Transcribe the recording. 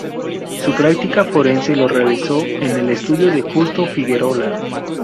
Su práctica forense la realizó en el estudio de Justo Figuerola.